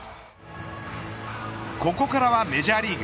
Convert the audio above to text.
ここからはメジャーリーグ。